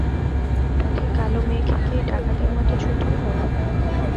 পথে কালো মেঘ কি ডাকাতের মতো ছুটে এল?